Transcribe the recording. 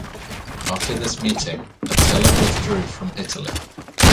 After this meeting, Attila withdrew from Italy.